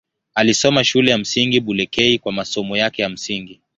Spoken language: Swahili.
Alisoma Shule ya Msingi Bulekei kwa masomo yake ya msingi.